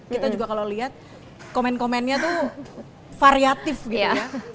kita juga kalau lihat komen komennya tuh variatif gitu ya